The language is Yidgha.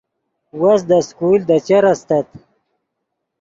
وس دے سکول دے چر استت